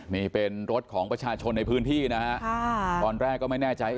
นี่เป็นรถของประชาชนในพื้นที่นะฮะตอนแรกก็ไม่แน่ใจ